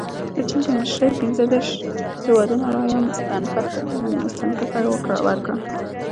د چین په مشرۍ پنځه دېرش هیوادونو رایه مستنکفه ورکړه.